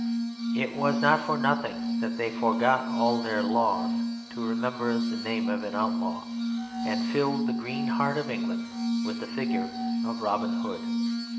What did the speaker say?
It was not for nothing that they forgot all their laws to remember the name of an outlaw, and filled the green heart of England with the figure of Robin Hood.